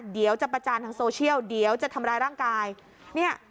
เดี๋ยวจะประจานทางโซเชียลเดี๋ยวจะทำร้ายร่างกายเนี่ย